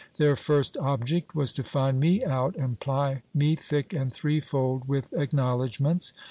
Their first object was to find me out, and ply me thick and threefold with acknowledgments.